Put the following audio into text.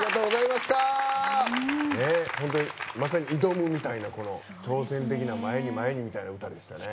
まさに「挑む」みたいな挑戦的な、前に前にみたいな歌でしたね。